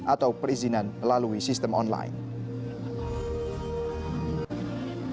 atau perintah yang diperlukan oleh pemerintah